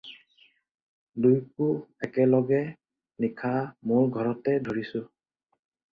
দুইকো একেলগে নিশা মোৰ ঘৰতে ধৰিছোঁ।